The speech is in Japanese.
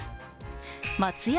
松屋